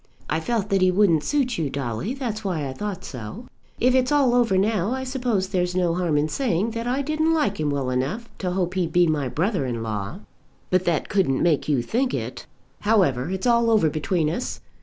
"I felt that he wouldn't suit you, Dolly; that's why I thought so. If it's all over now, I suppose there's no harm in saying that I didn't like him well enough to hope he'd be my brother in law." "But that couldn't make you think it. However, it's all over between us.